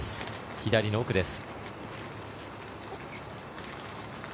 左の奥です。